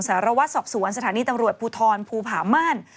สารวัสดิ์สอบสวรรค์สถานีนำรวจภูทรภูผาม่าน